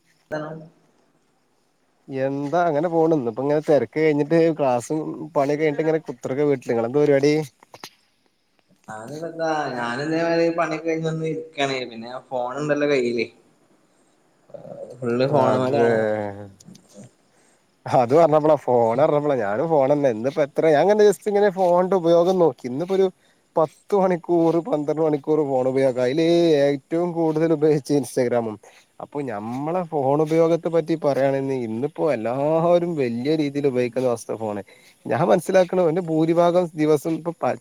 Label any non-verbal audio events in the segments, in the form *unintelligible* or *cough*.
*unintelligible* എന്താ അങ്ങനെ പോണ് ഇന്നിപ്പങ്ങനെ തെരക്ക് കഴിഞ്ഞിട്ട് ക്ലാസും പണിക്കകഴിഞ്ഞിട്ടിങ്ങന കുത്രിക്ക വീട്ട്ല്. നിങ്ങളെന്ത്‌ പരിപാടി? ആഹ് എന്താട്ട ഞാനൻ ഇതേഈ പണി കഴിഞ്ഞൊന്ന് ഇരിക്കാണ് പിന്നെ ഫോൺ ണ്ടല്ലോ കയ്യിൽ ഫുള്ള് ഫോണ് മലാ അത്ും പറഞ്ഞപ്പോളാ ഫോൺ പറഞ്ഞപ്പോള ഞാനും ഫോണന്ന ഇന്നിപ്പോ എത്ര ഞാെ ജസ്റ്റ് ഇങ്ങനെ ഫോണി ഉപയോഗം ഇന്നിപ്പോ ഒരു പത്ത് മണിക്കൂർ പന്ത്രണ്ട് മണിക്കൂർ പോണ പോയാ ക അല ഏറ്റവും കൂടുതൽ ഉപയോഗച്ച് ഇൻസ്റ്റഗ്രാമും അപ്പൊ ഞമ്മളെ ഫോൺ ഉപയോഗത്തെ പറ്റി പറയയാണെങ്കിൽ ഇന്നപ്പോല്ല എല്ലാവരും വലിയ രീതിയിൽ ഉപയോഗിക്കുന്ന വസ്തു ഫോണ് ഞാൻ മനസ്സിലാക്കണ എന്റെ ഭൂരിഭാഗം ദിവസം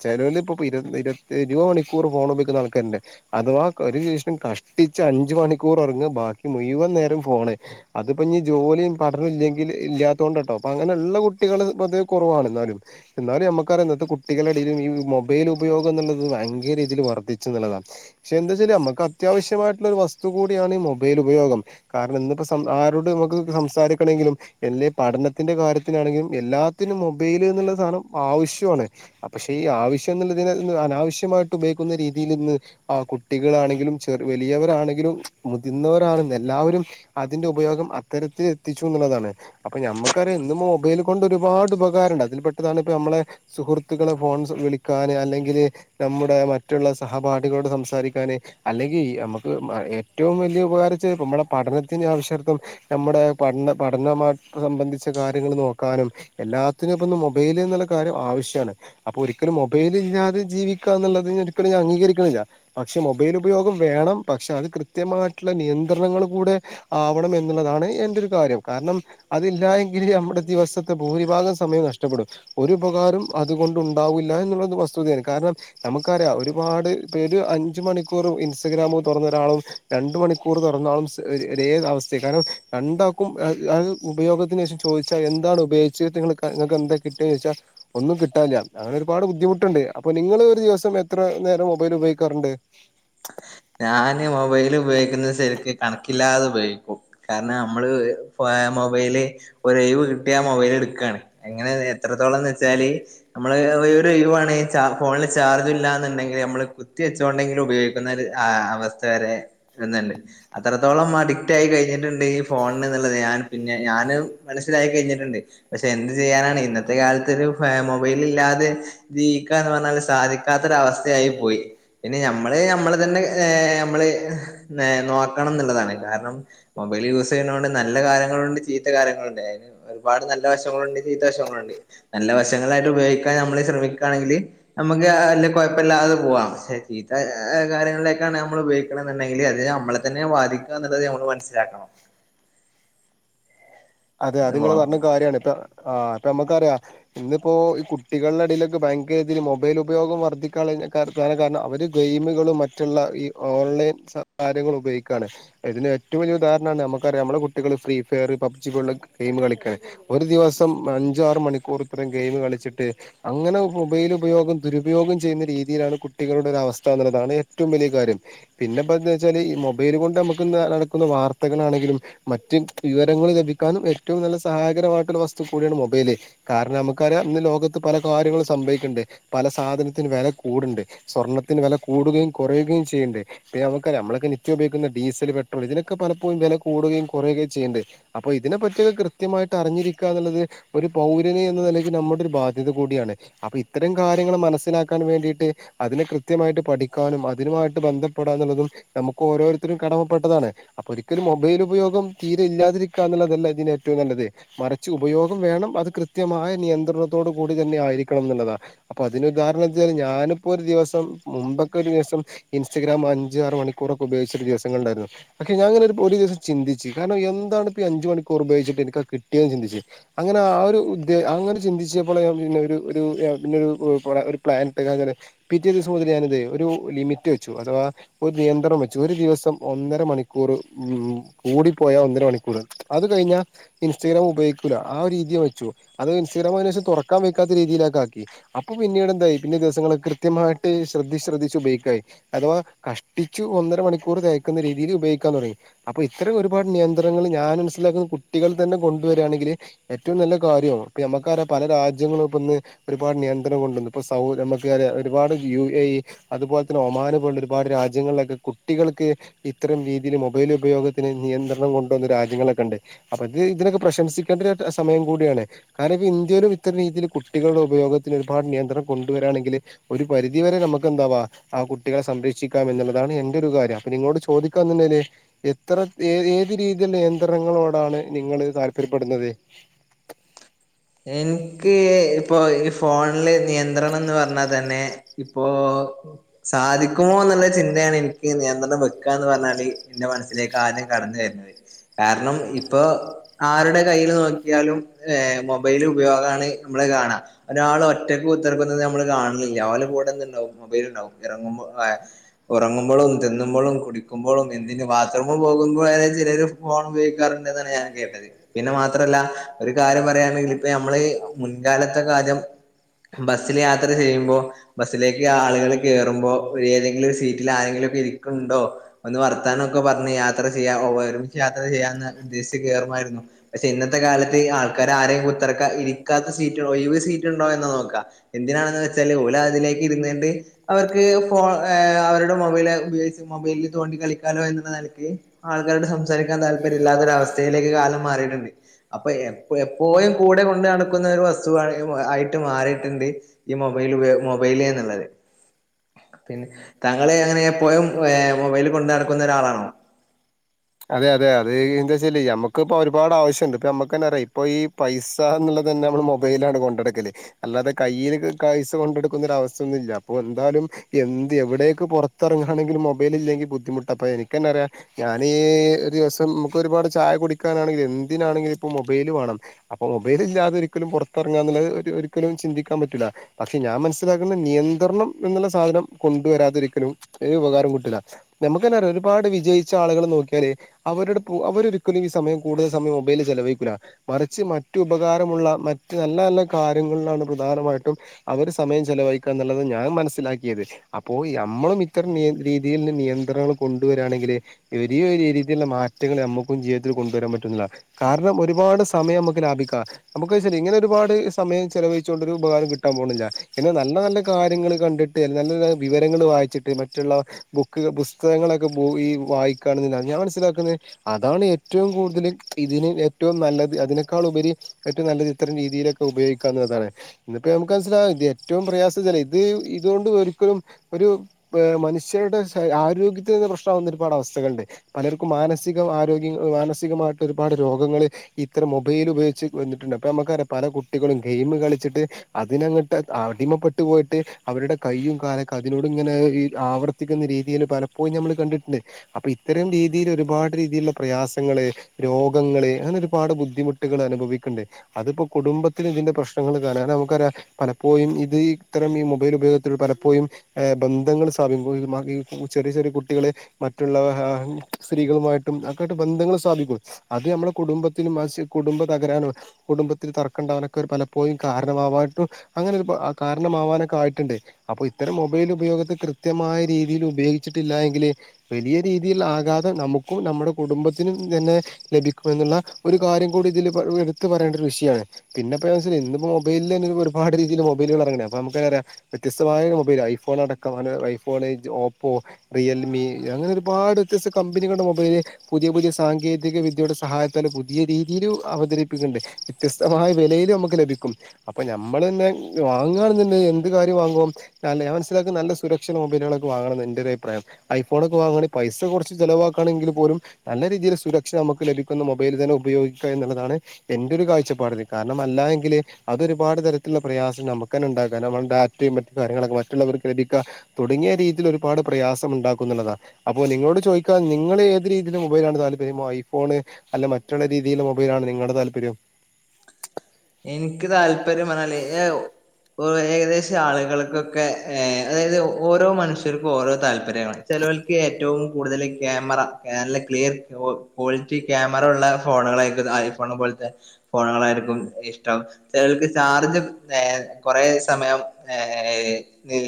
ചേലോൽ ഇരുപത്തി ഇരുപത് മണിക്കൂർ ഫോൺ ഉപോഗിക്കുന്ന ആൾക്കാരുണ്ട് അഥവാ ഒരു ദിവസം കഷ് പട്ടിച്ച് അഞ്ച മണിക്കൂർ ഉറങ്ങും ബാക്കി മുഴുവൻ നേരം ഫോണ് അതിപ്പോ ഇ ജോലിയും പഠനംല്ലെങ്ക ഇല്ലാത്ത കൊണ്ട് കേട്ടോ അപ്പൊ അങ്ങനെ ഉള്ള കുട്ടികൾ അത് കുറവാണ് എന്നാലും എന്നാലും നമ്മുക്കറിയത്തെ കുട്ടികളെ ഈ മൊബൈൽ ഉപയോഗം എന്നുള്ളത് ഭയങ്കരീതിൽ വർദ്ധിച്ചു എന്നുള്ളതാണ് പക്ഷെ എന്താ വെച്ചാൽ നമുക്ക് അത്യാവ്യം ായിട്ടുള്ള ഒരു വസ്തു കൂടിയാണ് ഈ മൊബൈൽ ഉപയോഗം കാരണം ഇന്ന്പ്പോ ആരോട് നമുക്ക് സംസാരിക്കണമെങ്കിലും എെ പഠനത്തിന്റെ കാര്യത്തിലാണെങ്കിലും എല്ലാത്തിനും മൊബൈല് എന്നുള്ള സാധനം ആവശ്യമാണ് പക്ഷെ ഈ ആവശ്യം എന്നുള്ള അനാവശ്യമായിട്ട് ഉപയോഗിക്കുന്ന രീതിയിൽന്ന് ആ കുട്ടികളാണെങ്കിലും ചെറ വലിയ ണെങ്കിലും മുതിർന്നവരാണ എല്ലാവരും അതിന്റെ ഉപയോഗം അത്തരത്തിൽ എത്തിച്ചു എന്നുള്ളതാണ് അപ്പൊ ഞമ്മക്കറിയാം ഇന്ന്ും മൊബൈൽ കൊണ്ട് ഒരുപാട് ഉപകാരംണ്ട് അതിൽെട്ടതാണ് നമ്മളെ സുഹൃത്തുക്കളെ ഫോൺ വിളിക്കാന് അല്ലെങ്കിൽ നമ്മുടെ മറ്റുള്ള സഹപാഠികളോട് സംസാരിക്കാനെ അല്ലെങ്കിൽ നമുക്ക് ഏറ്റവും വലിയ ഉപകാരിച്ച് നമ്മളുടെ പഠനത്തിന് ആവശ്യർത്ഥം നമ്മുടെ പഠ പഠന സംബന്ധിച്ച കാര്യങ്ങൾ നോക്കാനും എല്ലാത്തിനും ഇപ്പ മൊബൈൽ എന്നുള്ള കാര്യം ആവശ്യമാണ് അപ്പൊ ഒല ഒരു മൊബൈൽ ഇല്ലാതെ ജീവിക്കുക എന്നുള്ളത് ഒരിക്കും ാൻ അംഗീകരിക്കുന്നില്ല പക്ഷെ മൊബൈൽ ഉപയോഗം വേണം പക്ഷെ അത് കൃത്യമായിട്ടുള്ള നിയന്ത്രണങ്ങൾ കൂടെ ആവണം എന്നുള്ളതാണ് എന്റെ ഒരു കാര്യം കാരണം അതില്ല എങ്കില് നമ്മുടെ ദിവസത്തെ ഭൂരിഭാഗം സമയം നഷ്ടപ്പെടും ഒരുപകാരം അതുകൊണ്ട് ഉണ്ടാവൂില്ല എന്നുള്ള വസ്തുതയാണ് കാരണം നമുക്കറിയാം ഒരുപാട് ഒരു അഞ്ച മണിക്കൂർ ഇൻസ്റ്റഗ്രാമ തുറന്ന ഒരാളും രണ്ട മണിക്കൂർ തുറന്നാളും അവസ്ഥ കാരണം രണ്ടാക്കും ഉപയോഗത്തിനന് ശേഷം ചോദിച്ചാൽ എന്താണ് ഉപയോഗി നി നിങ്ങൾക്ക് എന്താ കിട്ടന്ന് ചോദിച്ചാൽ ഒന്നും കിട്ടാനില്ല അങ്ങനെ ഒരുപാട് ബുദ്ധിമുട്ടുണ്ട് അപ്പൊ നിങ്ങള് ഒരു ദിവസം എത്ര നേരം മൊബൈൽ ഉപയോഗിക്കാറുണ്ട് *inaudible* ഞാന് മൊബൈൽ ഉപയോഗിക്കുന്നത് ശക്ക് കണക്കില്ലാതെ ഉപയോഗിക്കും കാരണം നമ്മള് മൊബൈല് ഒരവ് കിട്ടിയ ആ മൊബൈൽ എടുക്കയാണ് അങ്ങനെ എത്രത്തോളം എന്ന് വെച്ചാല് നമ്മ ഒരു ഇഴുവാണെങ്കിൽ ഫോിൽ ചാർജ ഇല്ലാ എന്നുണ്ടെങ്കിൽ നമ്മള് കുത്തി വെച്ചുകോണ്ടെങ്കിലും ഉപയോഗിക്കും അവസ്ഥ വരെ വണ്ട് അത്രത്തോളം അഡിക്റ്റ് ആയി കഴിഞ്ഞിട്ടുണ്ട്ഈ ഫോണ ഞൻ പിന്നെ ഞൻ മനസ്സിലായി കഴിഞ്ഞിട്ടുണ്ട് പക്ഷെ എന്ത് ചെയ്യാനാണ് ഇന്നത്തെ കാലത്ത് ഒരു മൊബൈലല്ലാതെ ജീവിക്കാന്ന് പറഞ്ഞാൽ സാധിക്കാത്തൊ ഒരു അവസ്ഥയായി പോയി പിന്നെ നമ്മൾ നമ്മൾ തന്നെ നമ്മള് നോക്കണം എന്നുള്ളതാണ് കാരണം മൊബൈ യൂസ് ചെയ നല്ല കങ്ങളണ്ട് ചീത്ത കാലങ്ങളണ്ട് അന് ഒരുപാട് നല്ല വശണ്ട് ചീത്തശണ്ട് നല്ല പ്രങ്ങളായിട്ട് ഉപയോഗിക്കാൻ നമ്മള് ശ്രമിക്കുകയാണെങ്കിൽ നമുക്ക് അല്ല കുഴപ്പമില്ലാതെ പോവാ ശ കാര്യങ്ങളിലേക്കാണ് നമ്മൾ ഉപയോഗിക്കണ എന്നുണ്ടെങ്കിൽ അത് നമ്മളെ തന്നെ ബാധിക്കുക എന്നുള്ളത് നമ്മൾ മനസ്സിലാക്കണം *inaudible* അതെ അത് നിങ്ങൾ പറഞ്ഞ കാര്യാണ് ഇപ്പൊ ആ നമുക്കറിയാം ഇന്നിപ്പോ ഈ കുട്ടികളുടെടയിലൊക്കെ ബാങ്കിനെതിൽ മൊബൈൽ ഉപയോഗം വർദ്ധിക്കാ ണം അവര് ഗെയിമുകളും മറ്റുള്ള ഈ ഓൺലൈൻ കാര്യങ്ങള ഉപയോഗിക്കുകയാണ് ഇതിന് ഏറ്റവും ഉാഹരണം നമുക്കറിയാം നമ്മ കുട്ടികൾ ഫ്രീ ഫയർ ഗെയിം കളിക്ക ഒരു ദിവസം അഞ്ചാ മണിക്കൂ ഗെയി കള് അനെ മൊബൈൽ ഉപയോഗം ദുരുപയോഗം ചെയ്യുന്ന രീതിയിലാണ് കുട്ടികളുടെ ഒര അവസ്ഥ എന്നുള്ളതാണ് ഏറ്റവും വലിയ കാര്യം പിന്നെപ്പ എ വെച്ചാൽ ഈ മൊബൈൽ കൊണ്ട് നമുക്ക് നടക്കുന്ന വാർത്തകളാണെങ്കിലും മറ്റ്ു വിവരങ്ങൾ ലഭിക്കും ാനും ഏറ്റവും നല്ല സഹായകരമായിട്ടുള്ള വസ്തു കൂടിയാണ് മൊബൈല് കാരണം നമുക്ക ലോകത്ത് പല കാര്യങ്ങളും ണ്ട് പല സാധനത്തിന് വില കൂടണ്ട് സ്വർണത്തിന് വില കൂടുകയും കുറയുകയും ചെയ്യണ്ട് നമുക്ക നമ്മളൊക്കെ നിത്യ ഉപയോഗിക്കുന്ന ഡീസൽ പെട്രോൾ ഇതിനൊക്കെ പലപ്പോഴ വില കൂടുകയും കുറയുകയും ചെയ്യണ്ട് അപ്പൊ ഇതിനെപ്പറ്റിയൊക്കെ കൃത്യമായിട്ട് അറിഞ്ഞിരിക്കുക എന്നുള്ളത് ഒരു പൗരനി എന്ന നിലയ്ക്ക് നമ്മുടെ ഒരു ബാധ്യത കൂടിയാണ് അപ്പൊ ഇത്തരം കാര്യങ്ങൾ മനസ്സിലാക്കാൻ വേണ്ടിയിട്ട് അതിനെ കൃത്യമായിട്ട് പഠിക്കാനും അതിനുമായിട്ട് ബന്ധപ്പെ *unintelligible* എന്നുള്ളതും നമുക്ക് ഓരോരുത്തരും കടമപ്പെട്ടതാണ് അപ്പൊ ഒരിക്കലും മൊബൈൽ ഉപയോഗം തീരെ ഇല്ലാതിരിക്ക എന്നുള്ളതല്ല ഇതിനേറ്റവും നല്ലത് മറിച്ച് ഉപയോഗം വേണം അത് കൃത്യമായി നിയന്ത്രണത്തോട് കൂടി തന്നെ ആയി ആയിരിക്കണന്നുള്ളതാ അതിന് ഉദാഹരണം എന്തെന്ന് വെച്ചാൽ ഞാനിപ്പോ ഒരു ദിവസം മുമ്പൊക്കെ ഒരു ദിവസം ഇൻസ്റ്റഗ്രാം അഞ്ച് ആറ് മണിക്കൂറൊക്കെ ഉപയോഗിച്ച ഒരു ദിവസങ്ങള് ഉണ്ടായിരുന്നു പക്ഷെ ഞാനിങ്ങനെ ഒരു ദിവസം ചിന്തിച്ച് കാരണം എന്താണ് അഞ്ച് മണിക്കൂർ ഉപയോഗിച്ചിട്ട് എനിക്ക് കിട്ടിയെന്ന് ചിന്തിച്ച് അങ്ങന ആ ഒരു അങ്ങനേ ചന്തിച്ചപ്പോളെ പിന്നെ ഒരു ഒരു പിന്നെ ഒരു പ്ലാന് ഇട്ട് പിറ്റേ ദിവസം മുതൽ ഞാനതെ ഒരു ലിമിറ്റ് വെച്ചു ഒരു നിയന്ത്രണം വെച്ചു ഒരു ദിവസം ഒന്നര മണിക്കൂർ ഉം കൂടിപ്പോയാ ഒന്നര മണിക്കൂർ അത് കഴിഞ്ഞാ ഇൻസ്റ്റഗ്രാം ഉപോഗിക്കൂല്ല ആ രീതി വെച്ചു അത് കഴിഞ്ഞ ഇൻസ്റ്റാഗ്രാം തുറക്കാൻ വെക്കാത്ത രീതിയിലാക്കി അപ്പൊ പിന്നീട് പിന്നെ ദിവസങ്ങൾ കൃത്യമായിട്ട് ശ്രദ്ധി ശ്രദ്ധിച്ചു ഉപയോഗിക്കായി അഥവാ കഷ്ടിച്ചു ഒന്നര മണിക്കൂർ അയക്കുന്ന രീതിൽ ഉപയോഗിക്കാൻ തുടങ്ങി അപ്പൊ ഇത്തരം ഒരുപാട് നിയന്ത്രങ്ങളിൽ ഞാൻ മനസ്സിലാക്കുന്ന കുട്ടികൾ തന്നെ കൊണ്ടുവരാണെങ്കില് ഏറ്റവും നല്ല കാര്യവും നമുക്കറിയ പല രാജ്യങ്ങളും ഇന്ന് ഒരുപാട് നിയന്ത്രണം കൊണ്ടന്ന് ഇപ്പൊ സൗ നമുക്ക് അറിയാ ഒരുപാട് യു എ ഇ അതുപോലെ തന്നെ ഒമാന് ഒരുപാട് രാജ്യങ്ങളിലൊക്കെ കുട്ടികൾക്ക് ഇത്തരം രീതിൽ മൊബൈൽ ഉപയോഗത്തിന് നിയന്ത്രണം കൊണ്ട് രാജ്യങ്ങളൊക്കെ ഉണ്ട് അപ്പൊ ഇത് ഇതിനൊക്കെ പ്രശംസിക്കേണ്ട സമയം കൂടിയാണ് കാരണം ഇന്ത്യയിലും ഇത്തരം രീതി കുട്ടികളുടെ ഉപയോഗത്തിന് ഒരുപാട് നിയന്ത്രണം കൊണ്ടുവരാണെങ്കിൽ ഒരു പരിധി വരെ നമുക്ക് എന്താവാ ആ കുട്ടി സംരക്ഷിക്കാം എന്നുള്ളതാണ് എന്റെ ഒരു കാര്യം അപ്പൊ നിങ്ങളോട് ചോദിക്കാ എന്ന്ണ്ടേല് എത്ര രീതിയിൽ നിയന്ത്രണങ്ങളോടാണ് നിങ്ങൾ താല്പര്യപ്പെടുന്നത് എനിക്ക് ഇപ്പൊ ഈ ഫോണില് നിയന്ത്രണം എന്ന് പറഞ്ഞാൽ തന്നെ ഇപ്പോ സാധിക്കുമോ എന്നുള്ള ചിന്തയാണ് എനിക്ക് നിയന്ത്രണം വെക്ക പറഞ്ഞാല് എന്റെ മനസിലേക്ക് ആദ്യം കടന്ന് വരുന്നത് കാരണം ഇപ്പൊ ആരുടെ കയ്യില് നോക്കിയാലും മൊബൈൽ മൊബൈല് ഉപയോഗാണ് നമ്മള് കാണാ ഒരാൾ ഒറ്റക്ക് കുത്തിരിക്കുന്നത് നമ്മള് കാണണില്ല ഓലെ കൂടെ എന്തുണ്ടാകും മൊബൈലുണ്ടാകും ഉറങ്ങുമ്പോളും തിന്നുമ്പോളും കുടിക്കുമ്പോഴും എന്തിന് ബാത്റൂമിൽ പോകുമ്പോളും വരെ ചിലര് ഫോൺ ഉപയോഗിക്കാറുണ്ട് എന്നാണ് ഞാൻ കേട്ടത് പിന്നെ മാത്രമല്ല ഒരു കാര്യം പറയേണെങ്കിൽ ഇപ്പ നമ്മള് മുൻകാലത്തെ കാലം ബസ്സില് യാത്ര ചെയ്യുമ്പോ ബസ്സിലേക്ക് ആളുകൾ കയറുമ്പോ ഏതെങ്കിലും ഒരു സീറ്റിൽ ആരെങ്കിലും ഇരിക്കുണ്ടോ ഒന്ന് വർത്താനൊക്കെ പറഞ് യാത്ര ചെയ്യ ഒരുമിച്ച് യാത്ര ചെയ്യാന്ന് ഉദ്ദേശച്ച് കയറുന്ന രുന്നു പക്ഷെ ഇന്നത്തെ കാലത്ത് ആൾക്കാര് ആരെയും ഇരിക്കാത്ത സീറ്റ് ഒയിവ് സീറ്റ് ഉണ്ടോ എന്നാ നോക്കാം എന്തിനാണെന്ന് വെച്ചാല് ഓലെ അതിലേക്ക് ഇരുന്നണ്ട് അവർക്ക് ഫോൺ അവരുടെ മൊബൈൽ ഉപയോഗിച്ച് മൊബൈലില് തോണ്ടി കളിക്കാലോ എന്നുള്ള നിലക്ക് ആൾക്കാരോട് സംസാരിക്കാൻ താല്പര്യം ഇല്ലാത്തൊരവസ്ഥയിലേക്ക് കാലം മാറിയിട്ടുണ്ട് അപ്പൊ എപ്പ എപ്പോയും കൂടെ കൊണ്ട് നടക്കുന്ന ഒരു വസ്തുവാണ് ആയിട്ട് മാറിട്ടിണ്ട് ഈ മൊബൈൽ മൊബൈൽ എന്നുള്ളത് *inaudible* പിന്നെ താങ്കൾ എങ്ങനെ എപ്പോയും ഏ മൊബൈൽ കൊണ്ടു നടക്കുന്ന ഒരാളാണോ അതെ അതെ എന്താ വെച്ചാലെ ഞമ്മക്ക് ഇപ്പൊ ഒരുപാട് ആവശ്യണ്ട് ഇപ്പ നമ്മുക്ക് തന്നെ അറിയ ഇപ്പൊ ഈ പൈസുള്ളത് തന്നെ നമ്മള് മൊബൈലാണ് കൊണ്ടടക്കല് അല്ലാതെ കയ്യിൽ പൈസ കൊണ്ടെടുക്കുന്നൊര് അവസ്ഥ ഒന്നുല്ല അപ്പോ എന്താലും എന്ത് എവിടെയൊക്കെ പുറത്തിറങ്ങാണെങ്കിലും മൊബൈൽ ഇല്ലെങ്കിൽ ബുദ്ധിമുട്ട അപ്പൊ എനിക്കെന്നെ അറിയ ഞാൻ ഒരു ദിവസം നമുക്ക് ഒരുപാട് ചായ കുടിക്കാനാണെങ്കിൽ എന്തിനാണെങ്കിലും ഇപ്പൊ മൊബൈല് വേണം അപ്പൊ മൊബൈൽ ഇല്ലാതെ ഒരിക്കലും പുറത്തിറങ്ങാന്നുള്ളത് ഒരിക്കലും ചിന്തിക്കാൻ പറ്റുല്ല പക്ഷെ ഞാൻ മനസ്സിലാക്കുന്നത് നിയന്ത്രണം എന്നുള്ള സാധനം കൊണ്ടുവരാതിരിക്കലും ഒരു ഉപകാരം കൂട്ടില്ല നമുക്ക് ഒരുപാട് വിജയിച്ച ആളുകൾ നോക്കിയാൽ അവരുടെ അവര് ഒരിക്കലും ഈ സമയം കൂടുതൽ സമയം മൊബൈലിൽ ചെലവഴിക്കില്ല മറിച്ച് മറ്റ് ഉപകാര മറ്റ് നല്ല നല്ല കാര്യങ്ങളിലാണ് പ്രധാനമായിട്ടും അവര് സമയം ചലവഴിക്ക എന്നുള്ളത് ഞാൻ മനസ്സിലാക്കിയത് അപ്പോ നമ്മളും ഇത്തരം രീതിയിൽ നിയന്ത്രണങ്ങൾ കൊണ്ടുവരാണെങ്കില് വരിയ രീതിയിലുള്ള മാറ്റങ്ങൾ നമുക്കും ജീവിതത്തിൽ കൊണ്ടുവരാൻ പറ്റുംന്നുള്ളത കാരണം ഒരുപാട് സമയം നമുക്ക് ലാഭിക്കാൻ നമുക്ക് ശരി ഇങ്ങനെ ഒരുപാട് സമയം ചെലവഴിച്ചോണ്ട് ഒരു ഉപകാരോം കിട്ടാൻ പോണില്ല നല്ല നല്ല കാര്യങ്ങൾ കണ്ടിട്ട് നല്ലനല്ല വിവരങ്ങൾ വായിച്ചിട്ട് മറ്റുള്ള ബുക്ക് പുസ്തകങ്ങളൊക്കെ ഈ വായി കാണുന്നില്ല ഞാൻ മനസ്സിലാക്കുന്നത് അതാണ് ഏറ്റവും കൂടുതൽ ഇതിന് ഏറ്റവും നല്ലത് അതിനേക്കാൾ ഉപരി ഏറ്റവും നല്ലത് ഇത്തരം രീതിയിലൊക്കെ ഉപയോഗിക്കാവുന്നതാണ് ഇന്നിപ്പോ നമുക്ക് മനസ്സിലാവും ഇത് ഏറ്റവും പ്രയാസം ചില ഇത് ഇതുകൊണ്ട് ഒരിക്കലും ഒരു മനുഷ്യരുടെ ആരോഗ്യത്തിൽ നിന്ന് പ്രശ്നാവുന്ന ഒരുപാട് അവസ്ഥ ണ്ട് പലർക്കും മാനസിക ആരോഗ്യ മാനസികമായിട്ട് ഒരുപാട് രോഗങ്ങൾ ഇത്തരം മൊബൈൽ ഉപയോഗ ച്ച് വന്നിട്ട്ണ്ട്. അപ്പ ഞമക്കറിയ പല കുട്ടികളും ഗെയിം കളിച്ചിട്ട്. അതിനങ്ങ്ട്ട് അടിമപ്പെട്ടു പോയിട്ട് അവരുടെ കൈയും കാലൊക്കെ അതിനോട് ഇങ്ങനെ ഈ ആവർത്തിക്ക്ന്ന രീതിയില് പലപ്പോഴും ഞമ്മള് കണ്ടിട്ട്ണ്ട് അപ്പൊ ഇത്തരം രീതിയിലൊരുപാട് രീതിയിലുള്ള പ്രയാസങ്ങള്. രോഗങ്ങള് അങ്ങനെ ഒരുപാട് ബുദ്ധിമുട്ട്കള് അനുഭവിക്കണ് ണ്ട്. അതിപ്പൊ കുടുംബത്തിലിതിന്റെ പ്രശ്നങ്ങള് കാണ. നമുക്കറിയ പലപ്പോഴും ഇത് ഇത്തരം മൊബൈൽ ഉപയോഗത്തിൽ പലപ്പോഴും ഏഹ് ബന്ധങ്ങള് സ്ഥാപി *unintelligible* ചെറീ ചെറീ കുട്ടികള് മ റ്റുള്ള *unintelligible* സ്ത്രീകളുമായിട്ടും ഒക്കെട്ട്. ബന്ധങ്ങള് സ്ഥാപിക്കും. അത് ഞമ്മളെ കുടുംബത്തിനും ആസ്യെ തകരാനും കുടുംബത്തിൽ തർക്കണ്ടാവാനൊക്കൊരു പലപ്പോഴും കാരണവാവാട്ടും അങ്ങനെ കാരണമാവാൻ ആയിട്ട്ണ്ട് അപ്പൊ ഇത്തരം മൊബൈൽ ഉപയോഗത്തെ കൃത്യമായ രീതിയില് ഉപയോഗിച്ചിട്ടില്ലാ എങ്കില് വലിയ രീതിയിൽ ആഘാതം നമുക്കും നമ്മ്ടെ കുടുംബത്തിനും തന്നെ ലഭിക്കുന്നെള്ള ഒരു കാര്യം കൂടി ഇതിലിപൊ എടുത്ത് പറയണ്ടൊരു വിഷയാണ്. പിന്നെപ്പഴാ ചല് ഇന്നിപൊ മൊബൈലിന്നെ ഒരുപാട് രീതിയില് മൊബൈല്കള്റങ്ങ്ണാ അ റയ വ്യത്യസ്തമായ മൊബൈല. ഐഫോണ് അടക്കം. ഐഫോണ് ഓപ്പൊ, റിയൽമീ അങ്ങനൊരുപാട് കസ് വ്യത്യസ്ത കമ്പനികളുടെ മൊബൈല്. പുതിയ പുതിയ സാങ്കേതിക വിദ്യയുടെ സഹായത്താല് പുതിയ രീതിയില് അവതരിപ്പിക്കണ്ട് കൃസ്. ആ വെലയിൽ നമ്മക്ക് ലഭിക്കും. അപ്പ നമ്മളെന്നെ വാങ്ങാ എന്ത് കാര്യം വാങ്ങും അയല്ല. ഞാൻ മനസിലാക്ക. നല്ല സുരക്ഷ മൊബൈലുകളൊക്കെ വാങ്ങണംന്ന എന്റൊരഭിപ്രായം ഫോണൊക്കെ വാങ്ങണങി പൈസ കൊറച്ച് ചിലവാക്കണെങ്കിൽ പോലും നല്ല രീതിയിൽ സുരക്ഷ നമ്മക്ക് ലഭിക്കുന്ന് മൊബൈല് തന്നെ ഉപയോഗി ന്നുള്ളതാണ് എന്റൊരു കാഴ്ചപ്പാടില്. കാരണം അല്ലാ എങ്കില് അതൊരുപാട് തരത്തില്ള്ള പ്രയാസം നമ്മക്കെന്നെ നമ്മളെ ഡാറ്റീം. മറ്റ് കാര്യങ്ങളൊക്കെ മറ്റുള്ളവർ ക്രെഡിക തുടങ്ങിയ രീതിയിൽ ഒരുപാട് പ്രയാസം ഉണ്ടാകും ന്നള്ളതാണ്. അപ്പോ നിങ്ങളോട് ചോദിക്ക. നിങ്ങള് ഏത് രീതിയില് മൊബൈലാണ് താല്പര്യമൊ ഐഫോണ്, അല്ല മറ്റ്ള്ള രീതി *unintelligible* മൊബൈലാണ് ആണ് നിങ്ങള്ടെ താല്പര്യം എന്ക്ക് താല്പര്യം പറഞ്ഞാല് ഏ ഉ ഓ ഏകദേശാള്കൾകൊക്കെ ഏഹ് അതായത് ഓരോ മനുഷ്യർക്കും ഓരോ താല്പര്യങ്ങള ചെ ചെലോൽക് ഏറ്റവും കൂടുതല് ക്യാമറ ഏഹ് നല്ല ക്ലിയർ ക്വോളിറ്റി ക്യാമറ ഉള്ള ഫോണുകള ഐഫോണെ പോലത്തെ ഫോണ്കളായിരിക്കും ഷ്ടം ചൊലൊൽക്ക് ചാർജ് ഏഹ് കൊറേ സമയം ഏഹ് നിൽ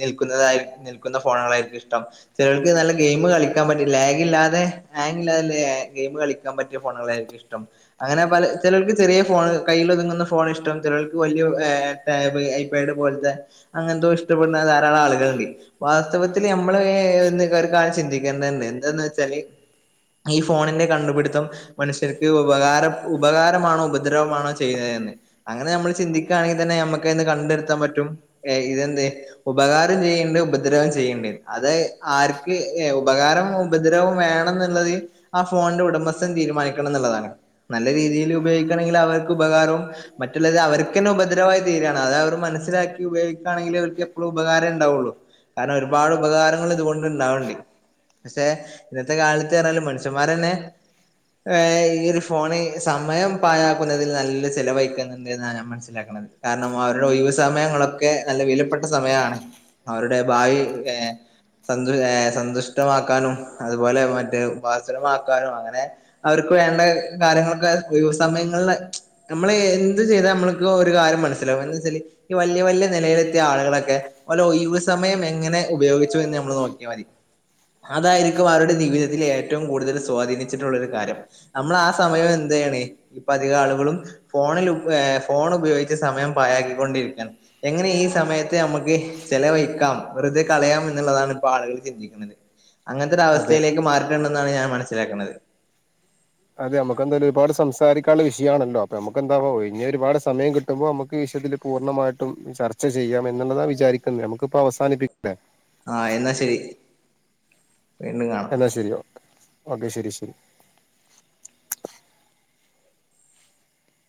നിൽക്കുന്നതായി നിൽക്കുന്ന ഫോണുകളായിരിക്കും ഇഷ്ടം. ചെലോൽക്ക് നല്ല ഗെയിം കളിക്കാൻ പറ്റിട്ട് ലാഗില്ലാതെ ഹാങ്ങില്ലാതില്ലേ ഗെയിം കളിക്കാൻ പറ്റിയ ഫോണ്കളായിരിക്കും ഇഷ്ടം. അങ്ങനെ പല ചിലൊൽക്ക് ചെറിയ ഫോണ് കയ്യിലൊതുങ്ങുന്ന ഫോണിഷ്ടം. ചെലൊൽക്ക് വല്യൊ ഏഹ് ടാബ്, ഐപേഡ് പോലത്തെ അങ്ങന് തൊഷ്ടപ്പെടുന്ന ധാരാളം ആളുകള്ണ്ട് വാസ്തവത്തില് ഞമ്മള് ഏഹ് ഒര് കാര്യം ചിന്തിക്കേണ്ടത്ണ്ട് എന്താണ്ന്ന് വെച്ചാല് ഈ ഫോണിന്റെ കണ്ട്പിടുത്തം മനുഷ്യർക്ക് വവ് ഉപകാരം ഉപകാരമാണോ ഉപദ്രമാണൊ *unintelligible* അങ്ങനെ ഞമ്മള് ചിന്തിക്കാണെങ്കി തന്നെ ഞമ്മക്കയിന്ന് കണ്ടെട്ത്താൻ പറ്റും ഇതെന്ത് ഉപ ഉപകാരം ചെയ്യണ്ട് ഉപദ്രവം ചെയ്യണ്ട്. അത് ആർക്ക് ഏ ഉപകാരം ഉപദ്രവും വേണം എന്നത് ആ ഫോണിന്റെ ഉടമസ്ഥൻ തീരുമാനിക്കണംന്ന്ള്ളതാണ്. നല്ല രീതിയില് ഉപയോഗിക്കണെങ്കില് അവർക്ക് ഉപകാരവും മറ്റ്ള്ളത് അവർക്കെന്നെ ഉപദ്രവായി തീരാണ്. അത് അവര് മനസ്സിലാക്കി ഉപയോഗിക്കാണെങ്കില് അവർക്ക് എപ്പഴും ഉപകാരം ഇണ്ടാവൊള്ളു. കാരണം ഒരുപാട് ഉപകാരങ്ങള് ഇതുകൊണ്ട് ഇണ്ടാവ്ണ്ട് പഷേ ഇന്നത്തെ കാലത്ത്റഞ്ഞാല് മനുഷ്യമ്മാരെന്നെ ഏയ് ഈ ഒരു ഫോണ്. സമയം പഴ ല് നല്ല ചെലവഴിക്ക്ണ് ണ്ട്ന്നാണ് ഞാൻ മനസ്സിലാക്ക്ണത്. കാരണം അവര്ടെ ഒഴിവ് സമയങ്ങളൊക്കെ നല്ല വിലപ്പെട്ട സമയാണ് അവരുടെ ഭായി സന്തുഷ് ഏഹ് സന്തുഷ്ടമാക്കാനും. അതുപോലെ മറ്റേ ഭാസുരമാക്കാനും. അങ്ങനെ അവർ വേണ്ട കാര്യങ്ങളൊക്കെ ഒഴിവ് സമയങ്ങളില് നമ്മള് എന്ത് ചെയ്ത ഞമ്മള്ക്ക് ഒരു കാര്യം മനസ്സിലാവും. എന്തെന്നച്ചാല് ഈ വല്യ വല്യ നെലയിലെത്തിയ ആളുകള ഓകെ അലോ ഴിവ് സമയം എങ്ങനെ ഉപയോഗിച്ചു എന്ന് ഞമ്മള് നോക്കിയ മതി അതായിരിക്കും അവരുടെ ജീവിതത്തില് ഏറ്റവും കൂടുതല് സ്വാധീനിച്ചിട്ടുള്ളൊരു കാര്യം. നമ്മളാ സമയം എന്ത് *unintelligible* അധിക ആള്കളും ഫോണിൽ ഏഹ് ഫോണ് ഉപയോഗിച്ച് സമയം പായാക്കിക്കൊണ്ടിരിക്കാണ് എങ്ങനെ ഈ സമയം ത്തെ ഞമ്മക്ക് ചെലവയിക്കാം. വെറുതെ കളയാം എന്ന്ള്ളതാണ് ഇപ്പൊ ആളുകള് ചിന്തിക്ക്ണത് അതെ അങ്ങൻത്തൊരവസ്ഥയിലേക്ക് മാറിട്ട്ണ്ടെന്നാണ് ഞാൻ മനസ്സിലാക്ക്ണത് അതെ അമ്മക്കെന്തായാലും ഒരുപാട് സംസാരിക്കാള്ള വിഷയാണല്ലൊ. അപ്പൊ അമ്മക്കെന്താവ. ഒഴിഞൊരുപാട് സമയം കിട്ടുമ്പൊ അമ്മക്ക് തില് പൂർണ്ണമായിട്ടും ചർച്ച ചെയ്യാം എന്ന്ള്ളത വിചാരിക്ക്ന്നെ. ഞമ്മക്കിപ്പൊ അവസാനിപ്പിക്കലെ ആഹ് എന്നാ ശരി. വീണ്ടും കാണാം എന്നാ ശരി ഓക്കെ ശരി ശരി